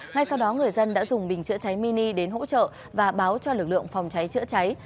ngay sau đó người dân đã dùng bình chữa cháy mini đến hỗ trợ và báo cho lực lượng phòng cháy chữa cháy